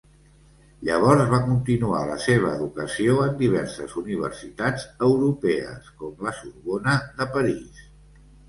Llavors va continuar la seva educació en diverses universitats europees, com la Sorbona de París.